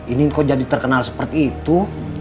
inin kok jadi terkenal seperti itu